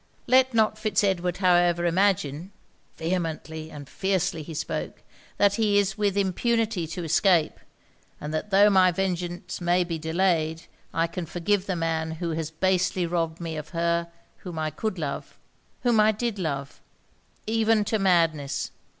Let not Fitz Edward, however, imagine," (vehemently and fiercely he spoke) "that he is with impunity to escape; and that tho' my vengeance may be delayed, I can forgive the man who has basely robbed me of her whom I could love whom I did love even to madness!"